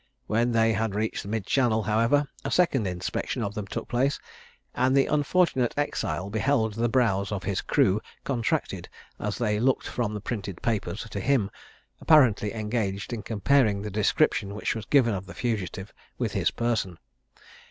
When they had reached mid channel, however, a second inspection of them took place, and the unfortunate exile beheld the brows of his crew contracted, as they looked from the printed papers to him, apparently engaged in comparing the description which was given of the fugitive with his person.